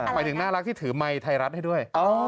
หมายถึงน่ารักที่ถือไมค์ไทยรัฐให้ด้วย